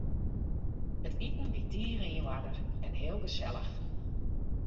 It iten wie tige yn oarder en heel gesellich.